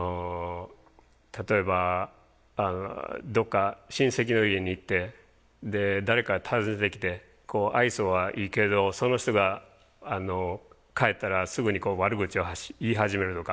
例えばどっか親戚の家に行ってで誰かが訪ねてきて愛想はいいけどその人が帰ったらすぐに悪口を言い始めるとか。